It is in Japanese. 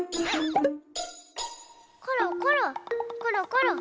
ころころころころ。